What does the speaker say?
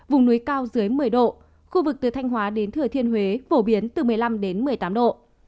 vùng núi cao dưới một mươi độ khu vực từ thanh hóa đến thừa thiên huế phổ biến từ một mươi năm một mươi tám độ